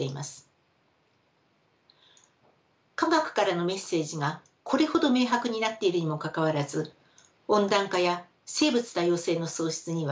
科学からのメッセージがこれほど明白になっているにもかかわらず温暖化や生物多様性の喪失には歯止めがかかりません。